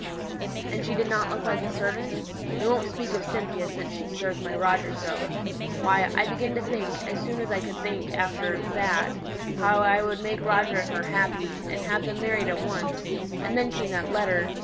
"And she didn't look like a servant? We won't speak of Cynthia since she's served my Roger so. Why, I began to think, as soon as I could think after that, how I would make Roger and her happy, and have them married at once; and then came that letter!